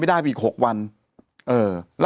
มีสารตั้งต้นเนี่ยคือยาเคเนี่ยใช่ไหมคะ